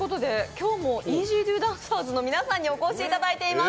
今日もイージードゥダンサーズの皆さんにお越しいただいています。